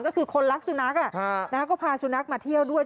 ก็คือคนรักสุนัขก็พาสุนัขมาเที่ยวด้วย